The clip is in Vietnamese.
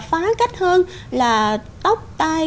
phá cách hơn là tóc tai